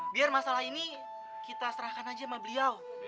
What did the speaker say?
biar masalah ini kita serahkan aja sama beliau